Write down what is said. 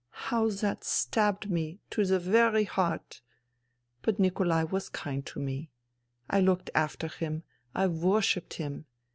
" How that stabbed me ... to the very heart I ... But Nikolai was kind to me. I looked after him. I worshipped him.